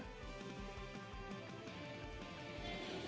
ท่านช่วยกันได้ไม่หรอกครับ